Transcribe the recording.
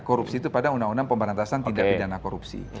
korupsi itu pada undang undang pemberantasan tindak pidana korupsi